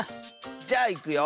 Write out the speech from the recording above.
じゃあいくよ。